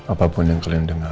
apapun yang kalian dengar